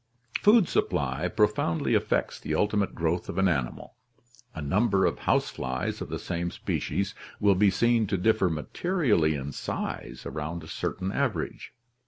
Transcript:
— Food supply profoundly affects the ulti mate growth of an animal. A number of house flies of the same species will be seen to differ materially in size around a certain average.